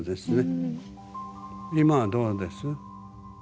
今はどうです？